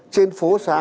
trên phố xá